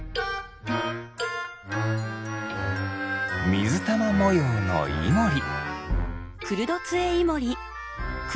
みずたまもようのイモリ。